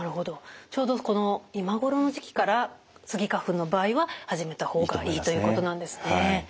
ちょうどこの今頃の時期からスギ花粉の場合は始めた方がいいということなんですね。